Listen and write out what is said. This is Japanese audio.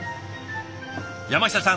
山下さん